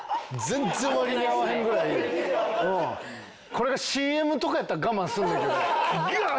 これがＣＭとかやったら我慢するんやけどギューッ